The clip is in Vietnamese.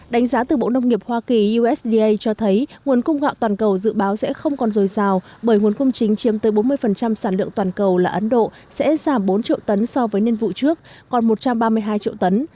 đánh giá từ bộ nông nghiệp hoa kỳ usda cho thấy nguồn cung gạo toàn cầu dự báo sẽ không còn dồi dào bởi nguồn cung chính chiếm tới bốn mươi sản lượng toàn cầu là ấn độ sẽ giảm bốn triệu tấn so với niên vụ trước còn một trăm ba mươi hai triệu tấn